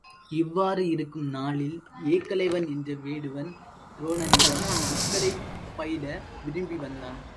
இவ்வாறு இருக்கும் நாளில் ஏகலைவன் என்ற வேடுவன் துரோணனிடம் விற்கலை பயில விரும்பி வந்தான்.